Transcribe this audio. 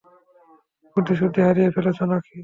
বুদ্ধি-শুদ্ধি হারিয়ে ফেলেছো নাকি?